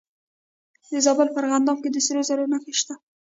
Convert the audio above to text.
د زابل په ارغنداب کې د سرو زرو نښې شته.